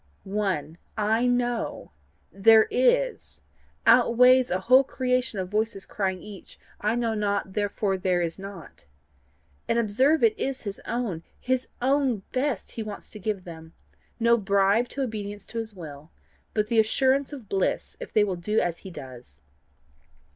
One I KNOW: THERE IS outweighs a whole creation of voices crying each I KNOW NOT, THEREFORE THERE IS NOT. And observe it is his own, his own best he wants to give them no bribe to obedience to his will, but the assurance of bliss if they will do as he does.